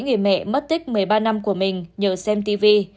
người mẹ mất tích một mươi ba năm của mình nhờ xem tv